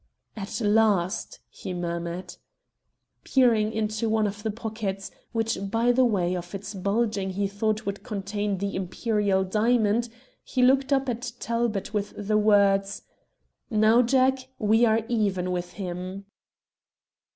"At last!" he murmured. Peering into one of the pockets, which by the way of its bulging he thought would contain the "Imperial diamond," he looked up at Talbot with the words "Now, Jack, we are even with him."